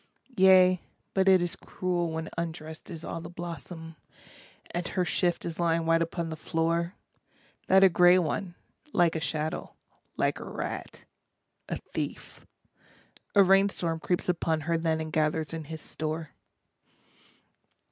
Yea, but it is cruel when undressed is all the blossom, And her shift is lying white upon the floor, That a grey one, like a shadow, like a rat, a thief, a rain storm Creeps upon her then and gathers in his store.